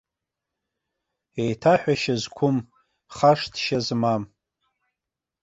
Еиҭаҳәашьа зқәым, хашҭшьа змам.